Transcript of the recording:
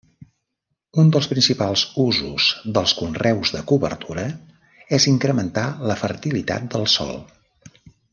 Un dels principals usos dels conreus de cobertora és incrementar la fertilitat del sòl.